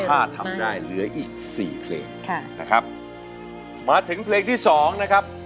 ถ้าทำได้เหลืออีกสี่เพลงค่ะนะครับมาถึงเพลงที่สองนะครับ